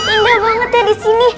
indah banget ya disini